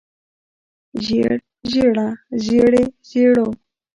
زېړ زېړه زېړې زېړو